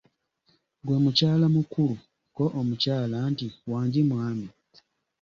Ggwe mukyala mukulu," Ko omukyala nti:"wangi mwami"